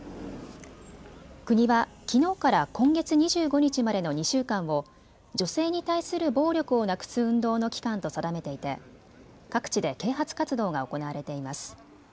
国はきのうから今月２５日までの２週間を女性に対する暴力をなくす運動の期間と定めていて各地で啓発活動が行われています。